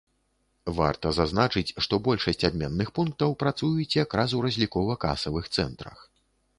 Варта зазначыць, што большасць абменных пунктаў працуюць якраз у разлікова-касавых цэнтрах.